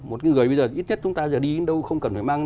một người bây giờ ít nhất chúng ta đi đâu không cần phải mang